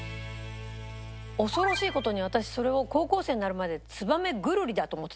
恐ろしい事に私それを高校生になるまでつばめグルリだと思ってたの。